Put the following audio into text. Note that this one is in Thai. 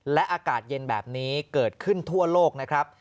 และอากาศเย็นแบบนี้เกิดขึ้นทั่วโลกนะครับ